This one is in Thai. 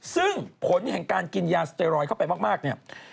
ซึ่งผลแห่งการกินยาสเตรอยเข้าไปมากเนี่ย